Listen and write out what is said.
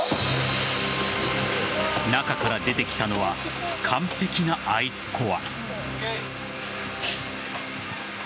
中から出てきたのは完璧なアイスコア。